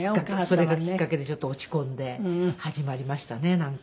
それがきっかけでちょっと落ち込んで始まりましたねなんか。